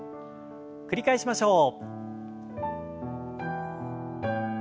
繰り返しましょう。